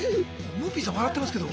むーぴんさん笑ってますけど。